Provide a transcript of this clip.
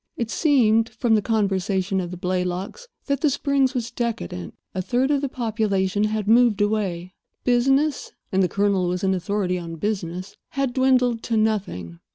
It seemed (from the conversation of the Blaylocks) that the Springs was decadent. A third of the population had moved away. Business—and the Colonel was an authority on business—had dwindled to nothing.